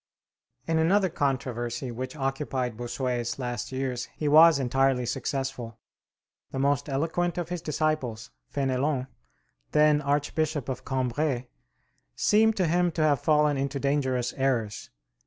In another controversy which occupied Bossuet's last years he was entirely successful. The most eloquent of his disciples, Fénélon, then Archbishop of Cambrai, seemed to him to have fallen into dangerous errors.